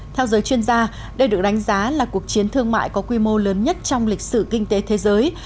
theo giới chuyên gia đây được đánh giá là cuộc chiến thương mại có quy mô lớn nhất trong lịch sử kinh tế thế giới